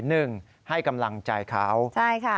หนึ่งให้กำลังใจเขาใช่ค่ะ